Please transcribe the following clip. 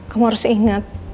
kamu harus ingat